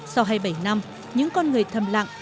sau hai mươi bảy năm những con người thầm lặng